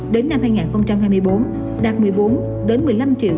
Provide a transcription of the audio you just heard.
đến năm hai nghìn hai mươi bốn đạt một mươi bốn một mươi năm triệu